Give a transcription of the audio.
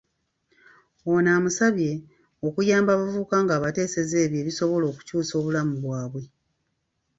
Ono amusabye okuyamba abavubuka ng'abateesezza ebyo ebisobola okukyusa obulamu bwabwe.